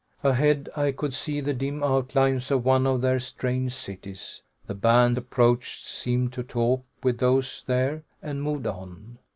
Ahead I could see the dim outlines of one of their strange cities. The band approached, seemed to talk with those there, and moved on.